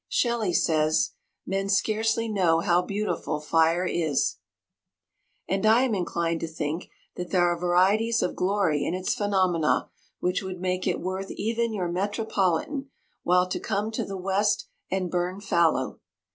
Shelly says, 'Men scarcely know how beautiful fire is,' and I am inclined to think that there are varieties of glory in its phenomena which would make it worth even your metropolitan while to come to the west and 'burn fallow.